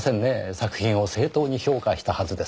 作品を正当に評価したはずです。